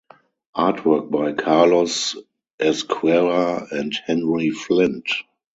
Artwork by Carlos Ezquerra and Henry Flint.